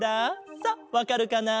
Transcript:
さっわかるかな？